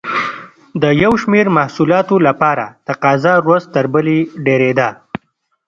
د یو شمېر محصولاتو لپاره تقاضا ورځ تر بلې ډېرېده.